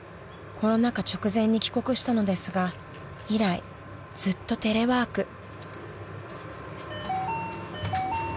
［コロナ禍直前に帰国したのですが以来ずっとテレワーク］